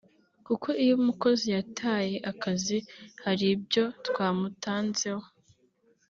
Kuko iyo umukozi yataye akazi hari ibyo twamutanzeho